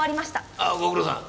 ああご苦労さん。